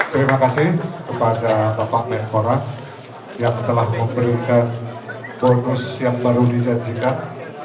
terima kasih kepada bapak menpora yang telah memberikan bonus yang baru dijanjikan